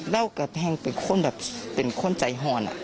เรากับแห้งเป็นคนแบบเป็นคนใจหอนอ่ะ